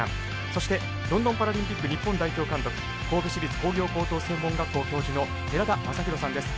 そして、ロンドンパラリンピック日本代表監督神戸市立工業高等専門学校教授の寺田雅裕さんです。